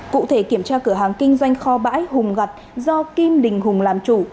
cụ thể kiểm tra cửa hàng kinh doanh kho bãi hùng gặt do kim đình hùng làm chủ